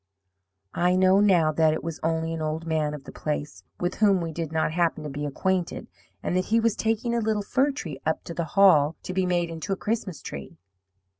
"I know now that it was only an old man of the place, with whom we did not happen to be acquainted and that he was taking a little fir tree up to the Hall, to be made into a Christmas tree.